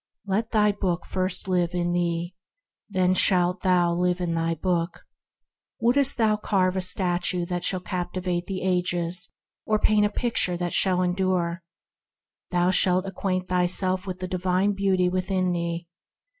Let thy book first live in thee, then shalt thou live in thy book. Wouldst thou carve a statue that shall captivate the ages, or paint a picture that shall endure ? Thou shalt acquaint thyself with the divine Beauty within thee.